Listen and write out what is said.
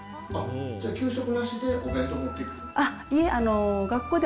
じゃあ、給食なしでお弁当持っていく？